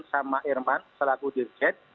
sama irman selaku dirjet